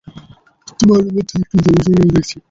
তোমার মধ্যে একটুও ধৈর্য নেই দেখছি।